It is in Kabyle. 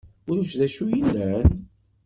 Ulac d acu yellan?